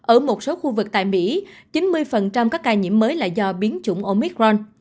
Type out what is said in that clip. ở một số khu vực tại mỹ chín mươi các ca nhiễm mới là do biến chủng omicron